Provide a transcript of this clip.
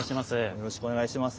よろしくお願いします。